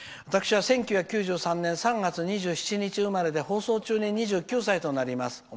私は１９９３年３月２７日生まれで放送中に２９歳となります。